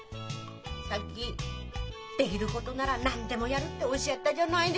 さっき「できることなら何でもやる」っておっしゃったじゃないですか。